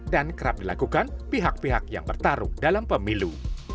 dan kerap dilakukan pihak pihak yang bertarung dalam pemilu